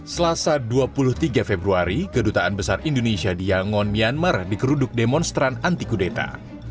selasa dua puluh tiga februari kedutaan besar indonesia di yangon myanmar dikeruduk demonstran anti kudeta